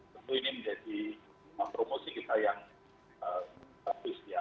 tentu ini menjadi promosi kita yang bagus ya